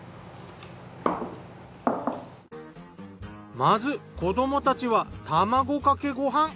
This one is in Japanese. まず子どもたちは卵かけご飯。